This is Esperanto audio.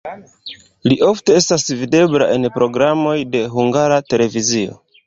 Li ofte estas videbla en programoj de Hungara Televizio.